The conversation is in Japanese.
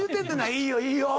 いいよいいよ。